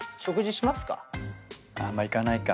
あんま行かないか。